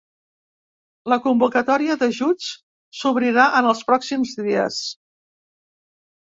La convocatòria d’ajuts s’obrirà en els pròxims dies.